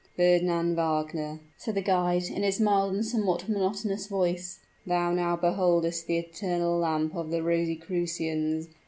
"Fernand Wagner," said the guide, in his mild and somewhat monotonous voice, "thou now beholdest the eternal lamp of the Rosicrucians.